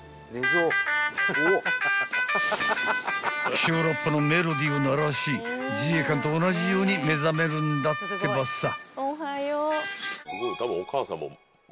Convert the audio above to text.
［起床ラッパのメロディーを鳴らし自衛官と同じように目覚めるんだってばさ］